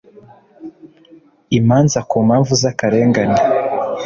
imanza ku mpamvu z akarengane